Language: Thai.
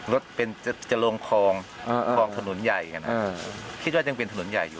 รถเป็นจะลงคลองคลองถนนใหญ่กันคิดว่ายังเป็นถนนใหญ่อยู่